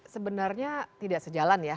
sebenarnya tidak sejalan ya